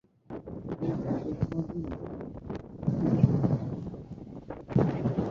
সেরা ম্যানেজার হওয়ার জন্য আপনার মাঝে সবকিছুর সংমিশ্রণ থাকা খুব জরুরি।